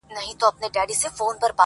په دا تش دیدن به ولي خپل زړګی خوشالومه!.